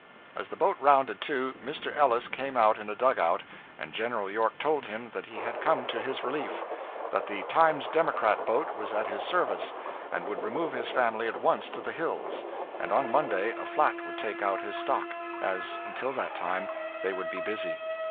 As the boat rounded to, Mr. Ellis came out in a dug out, and General York told him that he had come to his relief; that 'The Times Democrat' boat was at his service, and would remove his family at once to the hills, and on Monday a flat would take out his stock, as, until that time, they would be busy.